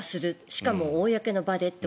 しかも公の場でと。